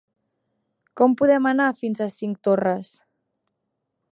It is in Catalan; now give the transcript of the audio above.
Com podem anar fins a Cinctorres?